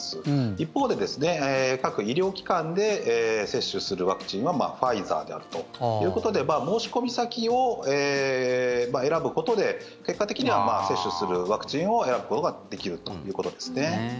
一方で、各医療機関で接種するワクチンはファイザーであるということで申し込み先を選ぶことで結果的には接種するワクチンを選ぶことができるということですね。